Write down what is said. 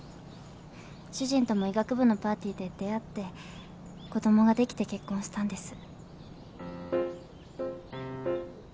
主人とも医学部のパーティーで出会って子供ができて結婚したんです。